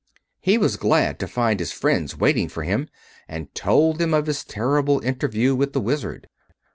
He was glad to find his friends waiting for him, and told them of his terrible interview with the Wizard.